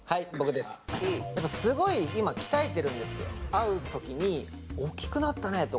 会う時に「大きくなったね」とか。